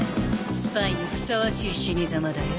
スパイにふさわしい死にざまだよ。